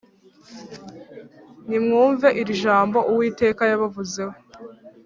Nimwumve iri jambo Uwiteka yabavuzeho